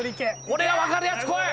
俺が分かるやつこい！